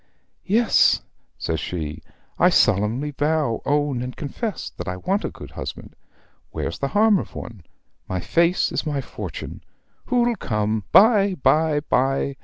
"Yes," says she, "I solemnly vow, own, and confess, that I want a good husband. Where's the harm of one? My face is my fortune. Who'll come? buy, buy, buy!